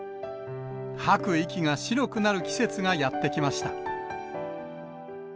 吐く息が白くなる季節がやって来ました。